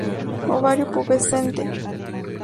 Ovario pubescente.